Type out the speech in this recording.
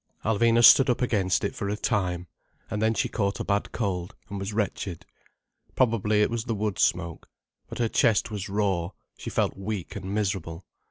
Alvina stood up against it for a time. And then she caught a bad cold, and was wretched. Probably it was the wood smoke. But her chest was raw, she felt weak and miserable.